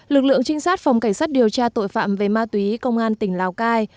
lực lượng trinh sát phòng cảnh sát điều tra tội phạm về ma túy công an tỉnh lào cai